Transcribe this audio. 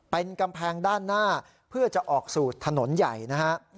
เป็นกำแพงด้านหน้าเพื่อจะออกสู่ถนนใหญ่นะฮะ